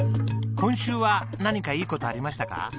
今週は何かいい事ありましたか？